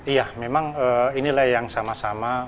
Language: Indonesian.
iya memang inilah yang sama sama